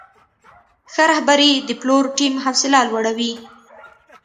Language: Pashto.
ښه رهبري د پلور ټیم حوصله لوړوي.